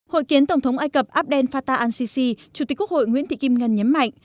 hội kiến tổng thống ai cập abdel fattah al sisi chủ tịch quốc hội nguyễn thị kim ngân nhấn mạnh